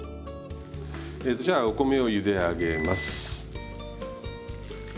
えとじゃあお米をゆで上げます。